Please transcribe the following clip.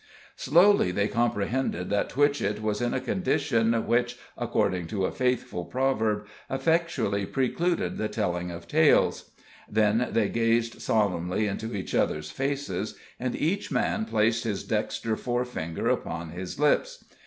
Slowly they comprehended that Twitchett was in a condition which, according to a faithful proverb, effectually precluded the telling of tales; then they gazed solemnly into each other's faces, and each man placed his dexter fore finger upon his lips.